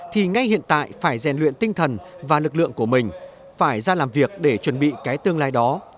thì ngay hiện tại phải rèn luyện tinh thần và lực lượng của mình phải ra làm việc để chuẩn bị cái tương lai đó